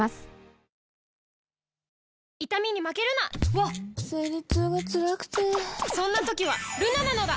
わっ生理痛がつらくてそんな時はルナなのだ！